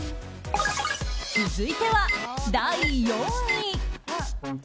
続いては第４位。